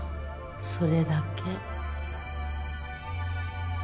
それだけ。